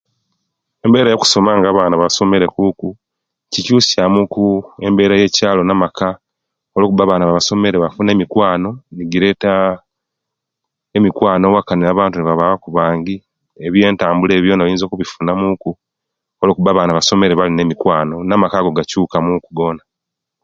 Embeera yo'kusoma nga abana basomere kuku kikyusya muku embera ya mukyalo namaka olwokuba abana basomere bafuna emikwano egireta emikwano waka na abantu nebabaku bangi nebyentambula ebyo byona oyinza okubifuna muku kuba abana basomere bafunire emikwano ne'byentambula byona bikyukamu